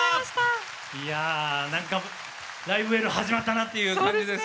いや何か「ライブ・エール」始まったなっていう感じですね。